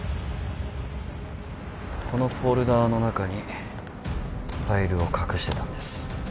このフォルダの中にファイルを隠してたんです